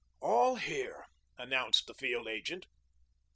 "All here," announced the field agent.